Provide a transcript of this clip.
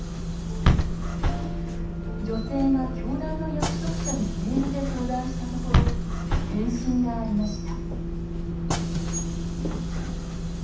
女性が教団の役職者にメールで相談したところ返信がありました